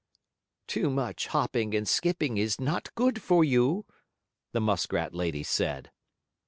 "Too much hopping and skipping is not good for you," the muskrat lady said.